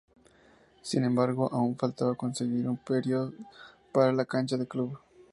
Sin embargo aún faltaba conseguir un predio para la cancha del club.